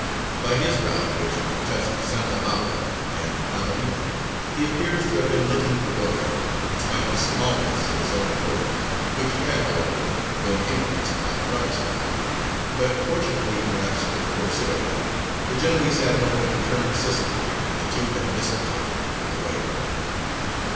By his route, which touched Santa Maura and Navarino, he appears to have been looking for Doria, in spite of the smallness of his own force (which had, however, been increased by prizes); but, fortunately, perhaps, for the Corsair, the Genoese admiral had returned to Sicily, and the two had missed each other on the way.